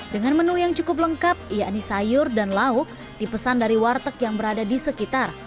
dengan menu yang cukup lengkap yakni sayur dan lauk dipesan dari warteg yang berada di sekitar